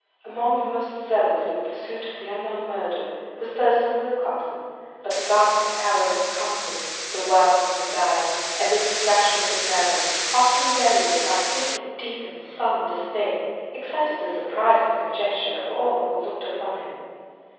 Among the most zealous in the pursuit of the unknown murderer was Thurston Willcoxen; but the ghastly pallor of his countenance, the wildness of his eyes, and the distraction of his manner, often varied by fits of deep and sullen despair, excited the surprise and conjecture of all who looked upon him.